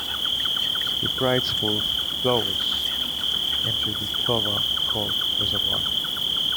The Bride's Pool flows into the Plover Cove Reservoir.